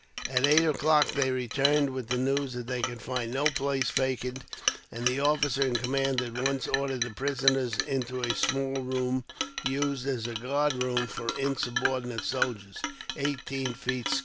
At eight o'clock, they returned with the news that they could find no place vacant, and the officer in command at once ordered the prisoners into a small room, used as a guardroom for insubordinate soldiers, eighteen feet square.